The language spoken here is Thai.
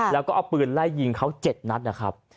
แล้วก็เอาปืนไล่ยิงเขา๗นัดนะครับ